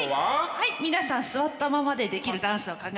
はい皆さん座ったままでできるダンスを考えてきましたよ。